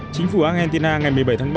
chính phủ argentina ngày một mươi bảy tháng ba